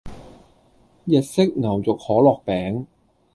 日式牛肉可樂餅